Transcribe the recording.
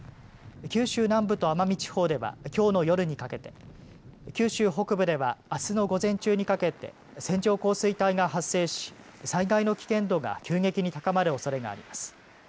九州南部と奄美地方ではきょうの夜にかけて九州北部では、あすの午前中にかけて線状降水帯が発生し災害の危険度が急激に高まるおそれがあります。